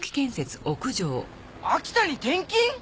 秋田に転勤！？